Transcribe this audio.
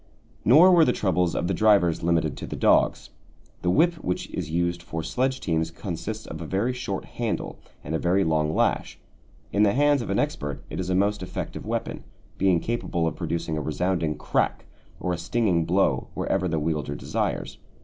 Nor were the troubles of the drivers limited to the dogs. The whip which is used for sledge teams consists of a very short handle and a very long lash. In the hands of an expert it is a most effective weapon, being capable of producing a resounding crack or a stinging blow wherever the wielder desires.